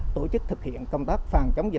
tổ chức thực hiện công tác phản chống dịch